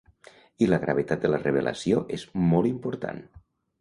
I la gravetat de la revelació és molt important.